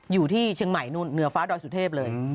อยู่ที่เชียงใหม่นู่นเหนือฟ้าดอยสุเทพเลย